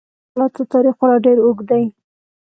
په افغانستان کې د ځنګلي حاصلاتو تاریخ خورا ډېر اوږد دی.